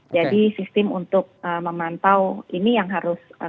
jadi sistem untuk memantau ini yang harus kemudian dilakukan